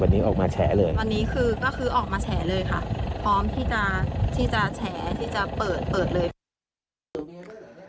วันนี้ออกมาแฉเลยวันนี้คือก็คือออกมาแฉเลยค่ะพร้อมที่จะที่จะแฉที่จะเปิดเปิดเลย